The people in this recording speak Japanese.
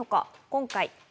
今回。